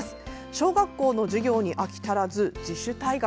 小学校の授業に飽き足らず自主退学。